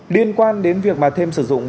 liên quan đến việc bà thêm sử dụng